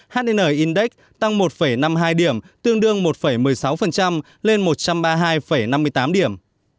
hn index tăng một năm mươi hai điểm tương đương một một mươi sáu lên một trăm ba mươi hai năm mươi tám điểm